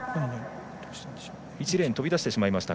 １レーン飛び出してしまいました。